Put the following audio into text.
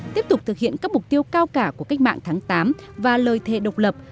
tiếp tục thực hiện các mục tiêu cao cả của cách mạng tháng tám và lời thề độc lập